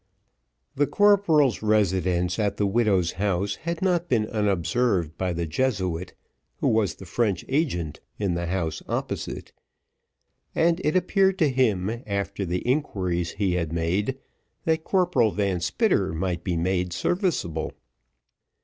The corporal's residence at the widow's house had not been unobserved by the Jesuit, who was the French agent in the house opposite, and it appeared to him, after the inquiries he had made, that Corporal Van Spitter might be made serviceable.